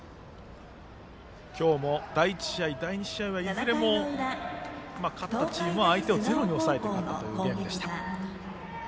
今日も第１試合第２試合はいずれも勝ったチームは相手をゼロに抑えて勝っています。